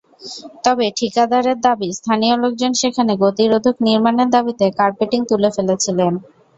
তবে ঠিকাদারের দাবি, স্থানীয় লোকজন সেখানে গতিরোধক নির্মাণের দাবিতে কার্পেটিং তুলে ফেলেছিলেন।